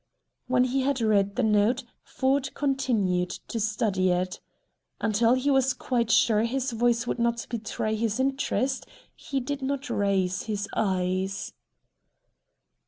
When he had read the note, Ford continue to study it. Until he was quite sure his voice would not betray his interest, he did not raise his eyes.